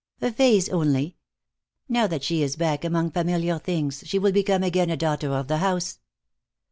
"A phase, only. Now that she is back among familiar things, she will become again a daughter of the house."